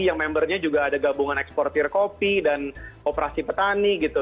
yang membernya juga ada gabungan eksportir kopi dan operasi petani gitu